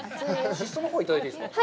シソのほう、いただいていいですか？